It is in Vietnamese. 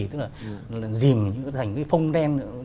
tức là dìm thành cái phông đen